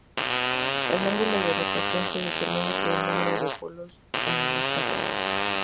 El ángulo de rotación se determina por el número de polos en el estátor.